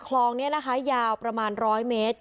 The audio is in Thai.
คลองนี้นะคะยาวประมาณ๑๐๐เมตร